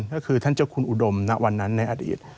ก็คือท่านเจ้าคุณอุดมณวันนั้นในอดีต